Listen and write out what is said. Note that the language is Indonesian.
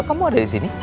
ama kamu ada di sini